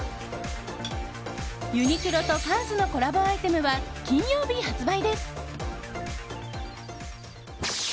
ユニクロとＫＡＷＳのコラボアイテムは金曜日発売です。